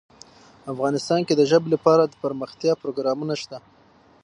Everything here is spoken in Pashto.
افغانستان کې د ژبې لپاره دپرمختیا پروګرامونه شته.